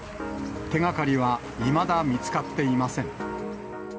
手がかりはいまだ見つかっていません。